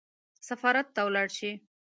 سفارت ته ولاړ شي.